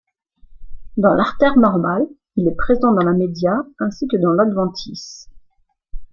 Dans l'artère normale, il est présent dans la média ainsi que dans l'adventice.